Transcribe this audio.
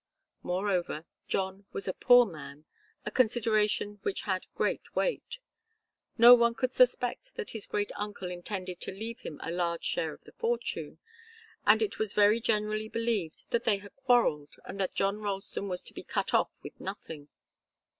Moreover, John was a poor man, a consideration which had great weight. No one could suspect that his great uncle intended to leave him a large share of the fortune, and it was very generally believed that they had quarrelled and that John Ralston was to be cut off with nothing.